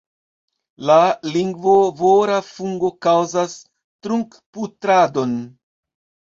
La lingvovora fungo kaŭzas trunkpudradon.